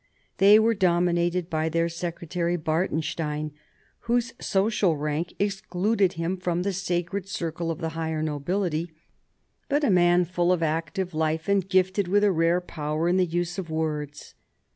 They were dominated by their secretary, Bartenstein, whose social rank ex cluded him from the sacred circle of the higher nobility, but a man full of active life, and gifted with a rare power in the use of words.